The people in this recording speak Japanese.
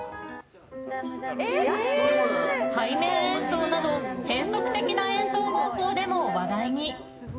背面演奏など変則的な演奏方法でも話題に。